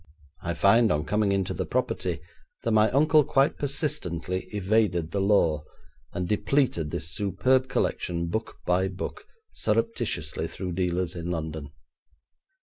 I find on coming into the property that my uncle quite persistently evaded the law, and depleted this superb collection, book by book, surreptitiously through dealers in London.